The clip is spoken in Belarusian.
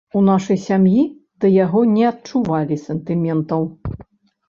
У нашай сям'і да яго не адчувалі сантыментаў.